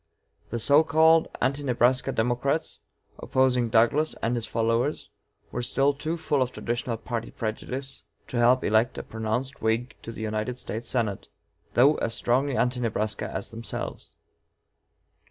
The so called Anti Nebraska Democrats, opposing Douglas and his followers, were still too full of traditional party prejudice to help elect a pronounced Whig to the United States Senate, though as strongly "Anti Nebraska" as themselves.